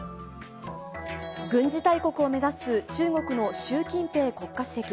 軍事大国を目指す中国の習近平国家主席。